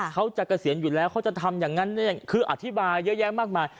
เกษียณอยู่แล้วเขาจะทำอย่างนั้นคืออธิบายเยอะแยะมากมาย